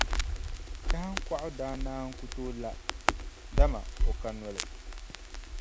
Kahiŋkɔɣu daa naan ku tooi la, dama o ka noli.